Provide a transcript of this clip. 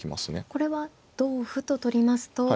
これは同歩と取りますと。